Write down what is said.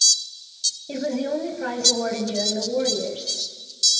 It was the only prize awarded during the war years.